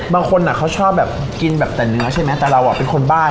บางคนเขาชอบแบบกินแบบแต่เนื้อใช่ไหมแต่เราเป็นคนบ้า